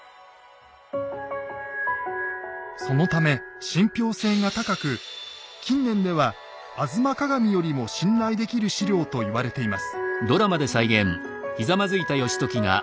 そのため信ぴょう性が高く近年では「吾妻鏡」よりも信頼できる史料と言われています。